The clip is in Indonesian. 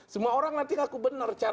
semua orang nanti ngaku benar